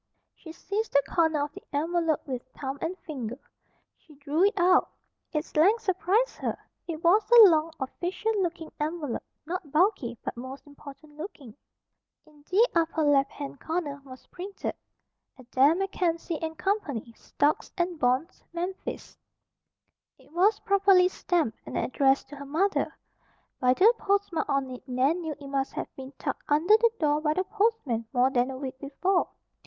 She seized the corner of the envelope with thumb and finger. She drew it out. Its length surprised her. It was a long, official looking envelope, not bulky but most important looking. In the upper left hand corner was printed: ADAIR MACKENZIE & CO. STOCKS AND BONDS MEMPHIS It was properly stamped and addressed to her mother. By the postmark on it Nan knew it must have been tucked under the door by the postman more than a week before.